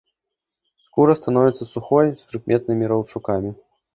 Скура становіцца сухой з прыкметнымі раўчукамі.